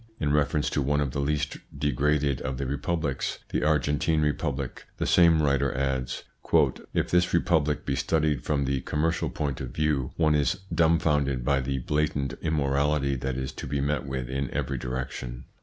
In reference to one of the least degraded of the republics, the Argentine Republic, the same writer adds :" If this republic be studied from the commercial point of view, one is dumbfounded by the blatant immorality that is to be met with in every direction."